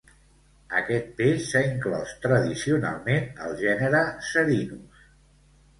"Aquest peix s'ha inclòs tradicionalment al gènere ""Serinus""."